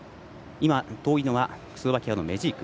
今、遠いのはスロバキアのメジーク。